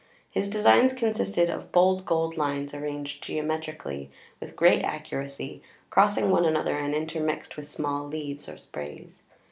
His designs consisted of bold gold lines arranged geometrically with great accuracy, crossing one another and intermixed with small leaves or sprays.